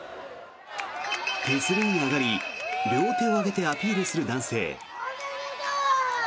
手すりに上がり両手を上げてアピールする男性。